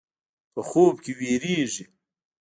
په خوب کې وېرېږي.